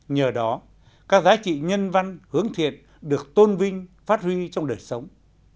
nhờ đó các giá trị nhân văn hướng thiện được tôn vinh phát huy trong đời sống